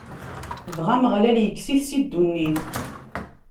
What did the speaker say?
Dɣa Ameɣlal ikkes-it si ddunit.